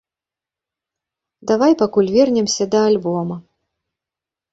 Давай пакуль вернемся да альбома.